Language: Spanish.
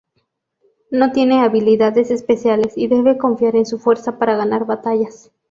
No tiene habilidades especiales y debe confiar en su fuerza para ganar batallas.